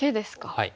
はい。